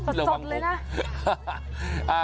สดเลยนะ